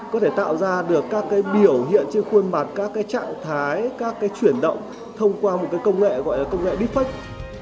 có thể tạo ra được các biểu hiện trên khuôn mặt các trạng thái các chuyển động thông qua một công nghệ gọi là công nghệ deepfake